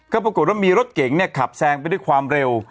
ก็ปรากฏว่ามีรถเก๋งเนี่ยขับแซงไปด้วยความเร็ว